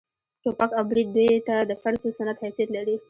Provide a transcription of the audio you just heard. ټوپک او برېت دوى ته د فرض و سنت حيثيت لري.